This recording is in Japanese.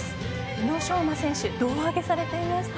宇野昌磨選手胴上げされていましたね。